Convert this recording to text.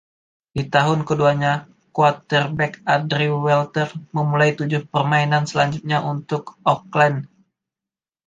Di tahun keduanya quarterback Andrew Walter memulai tujuh permainan selanjutnya untuk Oakland.